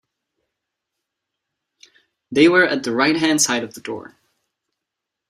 They were at the righthand side of the door.